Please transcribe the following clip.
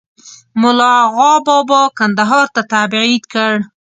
مُلا آغابابا کندهار ته تبعید کړ.